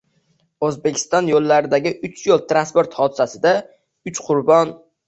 O‘zbekiston yo‘llaridagiuchyo´l transport hodisasidauchqurbon